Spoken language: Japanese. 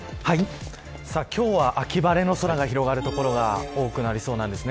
今日は秋晴れの空が広がる所が多くなりそうです。